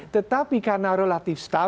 tetapi karena relatif staf